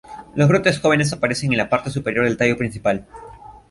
Los brotes jóvenes aparecen en la parte superior del tallo principal.